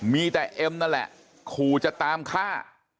มีแต่เอ็มนั่นแหละขู่จะตามฆ่า